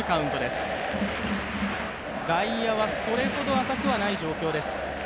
外野はそれほど浅くはない状況です。